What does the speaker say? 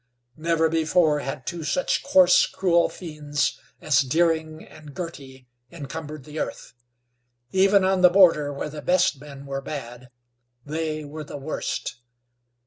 Never before had two such coarse, cruel fiends as Deering and Girty encumbered the earth. Even on the border, where the best men were bad, they were the worst.